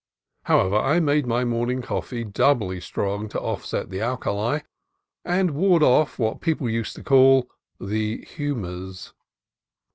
However, I made my morning coffee doubly strong to offset the alkali and ward off what people used to call the "humours."